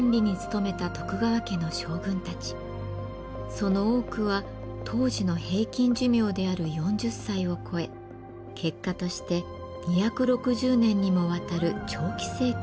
その多くは当時の平均寿命である４０歳を超え結果として２６０年にもわたる長期政権を維持することができたのです。